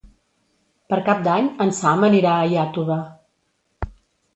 Per Cap d'Any en Sam anirà a Iàtova.